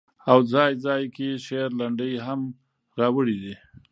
او ځاى ځاى کې شعر، لنډۍ هم را وړي دي